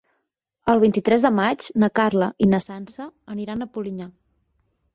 El vint-i-tres de maig na Carla i na Sança aniran a Polinyà.